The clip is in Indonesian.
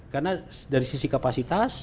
karena dari sisi kapasitas